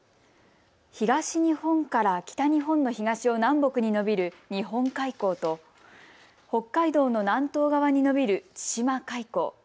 東日本から北日本の東を南北に延びる日本海溝と北海道の南東側に延びる千島海溝。